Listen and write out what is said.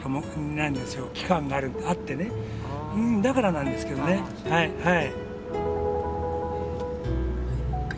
だからなんですけどねはい。